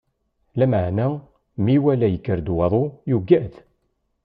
Lameɛna, mi iwala yekker-d waḍu, yugad.